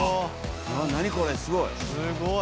何これすごい。